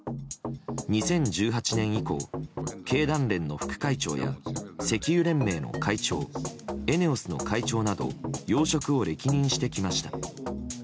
２０１８年以降経団連の副会長や石油連盟の会長ＥＮＥＯＳの会長など要職を歴任してきました。